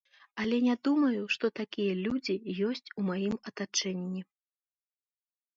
Але не думаю, што такія людзі ёсць у маім атачэнні.